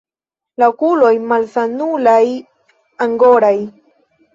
La okuloj malsanulaj, angoraj.